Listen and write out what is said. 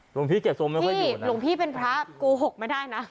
หลุงพี่เก็บทรงไม่ค่อยอยู่นะพี่หลุงพี่เป็นพระกูหกไม่ได้นะ